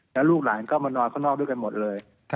แล้วลูกหลานก็มานอนข้างนอกด้วยกันหมดเลย